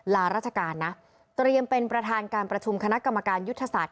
ลาราชการนะเตรียมเป็นประธานการประชุมคณะกรรมการยุทธศาสต